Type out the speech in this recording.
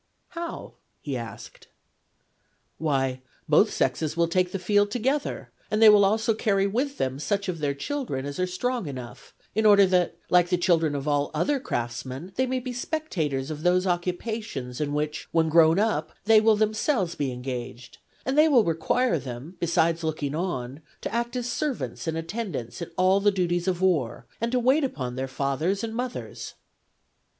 ' How ?' he asked. ' Why, both sexes will take the field together and they will also carry with them such of their children as are strong enough, in order that, like the children of all other craftsmen, they may be spectators of those occupations in which, when grown up, they will them selves be engaged : and they will require them, besides looking on, to act as servants and attendants in all the 176 FEMINISM IN GREEK LITERATURE duties of war, and to wait upon their fathers and mothers.'